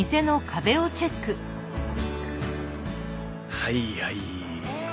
はいはい。